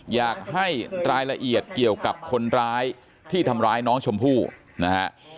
อยากให้รายละเอียดเกี่ยวกับคนร้ายที่ทำร้ายน้องชมพู่นะฮะ